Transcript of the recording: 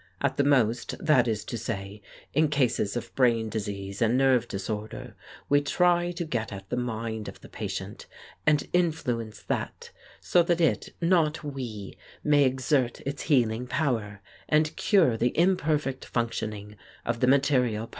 At the most, that is to say, in cases of brain disease and nerve disorder we try to get at the mind of the patient, and influence that, so that it, not we, may exert its healing power, and cure the imperfect functioning of the material part.